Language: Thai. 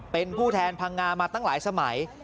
เป็นผู้แทนพังงามาตั้งหลายสมัย